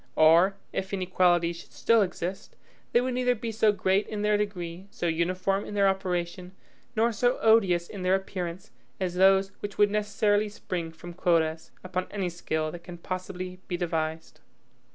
Or, if inequalities should still exist, they would neither be so great in their degree, so uniform in their operation, nor so odious in their appearance, as those which would necessarily spring from quotas, upon any scale that can possibly be devised.